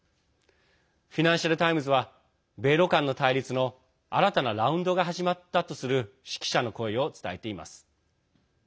フィナンシャル・タイムズは米ロ間の対立の新たなラウンドが始まったとする識者の声を伝えています。